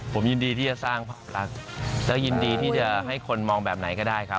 ผมยินดีที่จะสร้างภาพลักษณ์และยินดีที่จะให้คนมองแบบไหนก็ได้ครับ